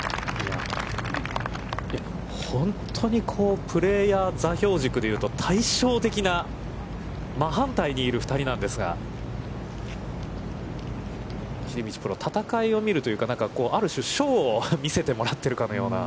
本当にプレーヤー座標軸で言うと対照的な、真反対にいる２人なんですが、秀道プロ、戦いを見るというか、ある種、ショーを見せてもらっているかのような。